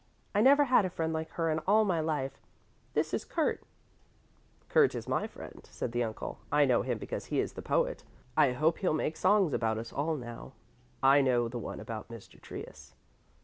I never had a friend like her in all my life. This is Kurt " "Kurt is my friend," said the uncle; "I know him because he is the poet. I hope he'll make songs about us all now; I know the one about Mr. Trius."